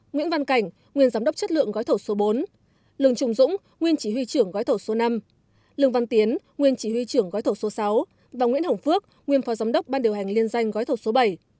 nguyễn văn cảnh nguyên giám đốc chất lượng gói thẩu số bốn lường trùng dũng nguyên chỉ huy trưởng gói thẩu số năm lường văn tiến nguyên chỉ huy trưởng gói thẩu số sáu và nguyễn hồng phước nguyên phó giám đốc ban điều hành liên danh gói thẩu số bảy